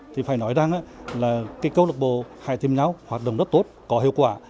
thì phải nói rằng là cái câu lạc bộ hãy tìm nhau hoạt động rất tốt có hiệu quả